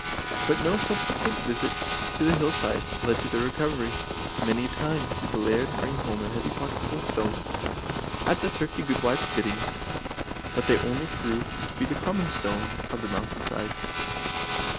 But no subsequent visits to the hill side led to their recovery. Many a time did the Laird bring home a heavy pocketful of stones, at the thrifty gudewife's bidding, but they only proved to be the common stones of the mountain side.